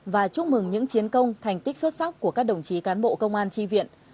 và chúc mừng những chiến công thành tích xuất sắc của các đồng chí cán bộ công an tri viện